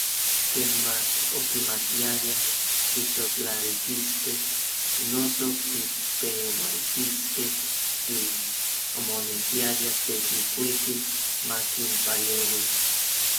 Ken mach okimatiayaj kixotlaltiskej noso kipeualtiskej tlitl, omonekiaya Tetlikuiti makinpaleui.